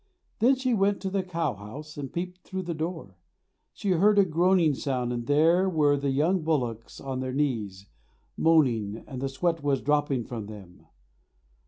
Then she went to the cowhouse and peeped through the door. She heard a groaning sound and there were the young bullocks on their knees, moaning, and the sweat was dropping from them.